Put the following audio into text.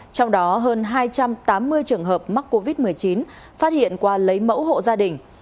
trong đó hơn hai trăm tám mươi trường hợp mắc covid một mươi chín phát hiện qua lấy mẫu hộ gia đình